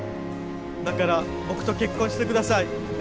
だから僕と結婚してください。